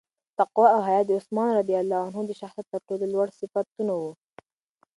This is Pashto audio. تقوا او حیا د عثمان رض د شخصیت تر ټولو لوړ صفتونه وو.